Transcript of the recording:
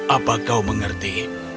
apa kau mengerti